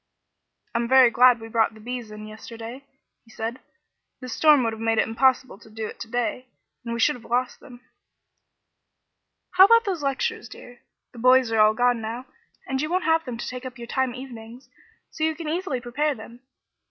"I'm very glad we brought the bees in yesterday," he said. "This storm would have made it impossible to do it to day, and we should have lost them." "How about those lectures, dear? The 'boys' are all gone now, and you won't have them to take up your time evenings, so you can easily prepare them.